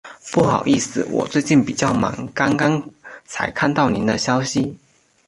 不好意思，我最近比较忙，刚刚才看到您的信息。